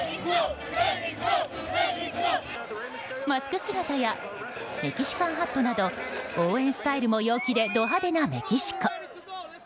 マスク姿やメキシカンハットなど応援スタイルも陽気でド派手なメキシコ。